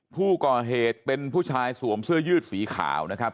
ผู้ก่อเหตุเป็นผู้ชายสวมเสื้อยืดสีขาวนะครับ